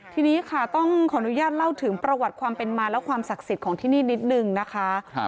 ทีนี้ค่ะต้องขออนุญาตเล่าถึงประวัติความเป็นมาและความศักดิ์สิทธิ์ของที่นี่นิดนึงนะคะ